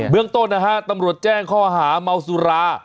เมืองต้นนะฮะตำรวจแจ้งข้อหาเมาสุรา